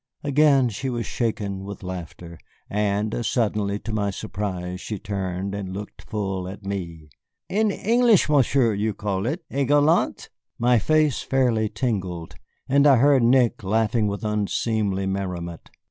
Again she was shaken with laughter, and suddenly to my surprise she turned and looked full at me. "In English, Monsieur, you call it a gallant?" My face fairly tingled, and I heard Nick laughing with unseemly merriment.